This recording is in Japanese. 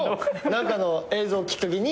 何かの映像きっかけに。